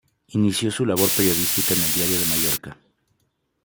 Inició su labor periodística en el "Diario de Mallorca".